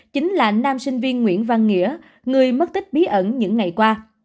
chính là nam sinh viên nguyễn văn nghĩa người mất tích bí ẩn những ngày qua